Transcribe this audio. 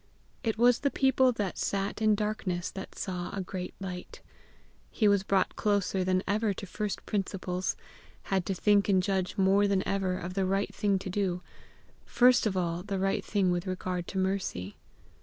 It was the people that sat in darkness that saw a great light. He was brought closer than ever to first principles; had to think and judge more than ever of the right thing to do first of all, the right thing with regard to Mercy.